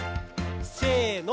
せの。